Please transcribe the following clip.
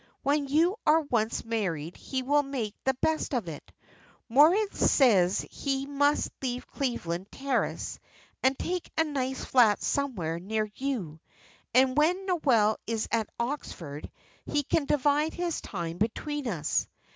When you are once married he will make the best of it. Moritz says he must leave Cleveland Terrace and take a nice flat somewhere near you; and when Noel is at Oxford he can divide his time between us."